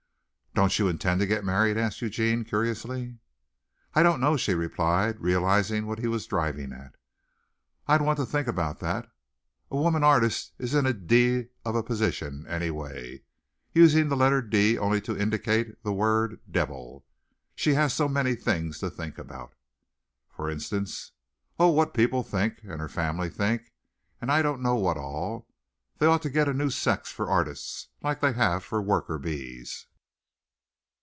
"Don't you intend to get married?" asked Eugene curiously. "I don't know," she replied, realizing what he was driving at. "I'd want to think about that. A woman artist is in a d of a position anyway," using the letter d only to indicate the word "devil." "She has so many things to think about." "For instance?" "Oh, what people think and her family think, and I don't know what all. They ought to get a new sex for artists like they have for worker bees."